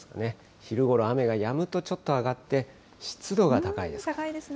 昼ごろ雨がやむとちょっと上がっ高いですね。